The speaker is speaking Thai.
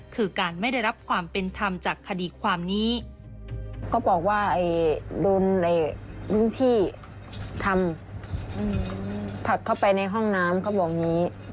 คือการไม่ได้รับความเป็นธรรมจากคดีความนี้